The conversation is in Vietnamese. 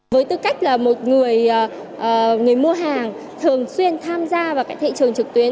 với tư cách là một người mua hàng thường xuyên tham gia vào thị trường trực tuyến